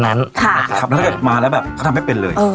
ถ้ามาแล้วเขาทำให้เป็นเลย